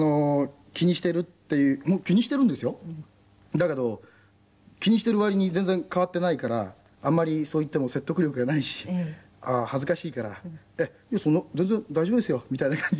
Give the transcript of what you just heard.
だけど気にしてる割に全然変わってないからあんまりそう言っても説得力がないし恥ずかしいから「全然大丈夫ですよ」みたいな感じで言ってるんですけどね。